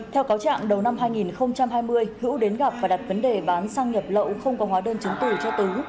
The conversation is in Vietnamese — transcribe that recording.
theo cáo trạng đầu năm hai nghìn hai mươi hữu đến gặp và đặt vấn đề bán xăng nhập lậu không có hóa đơn chứng từ cho tứ